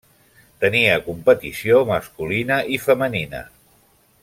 Tenia competició masculina i femenina.